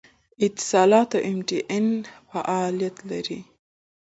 اتصالات او ایم ټي این فعالیت لري